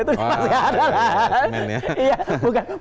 itu masih ada lah